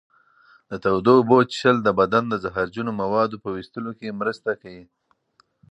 د تودو اوبو څښل د بدن د زهرجنو موادو په ویستلو کې مرسته کوي.